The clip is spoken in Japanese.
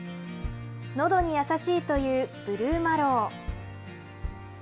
のどに優しいというブルーマロウ。